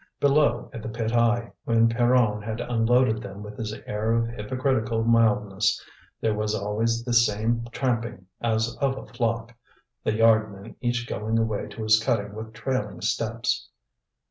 Below at the pit eye, when Pierron had unloaded them with his air of hypocritical mildness, there was always the same tramping as of a flock, the yard men each going away to his cutting with trailing steps.